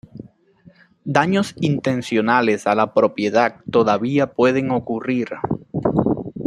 Daños intencionales a la propiedad todavía pueden ocurrir.